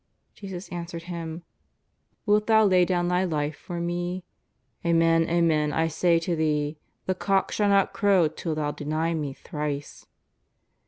Jesus answered him :'' Wilt thou lay down thy life for Me ? Amen, amen, I say to thee, the cock shall not crow till thou deny Me thrice."